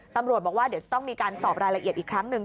ตำรวจบอกว่าเดี๋ยวจะต้องมีการสอบรายละเอียดอีกครั้งหนึ่ง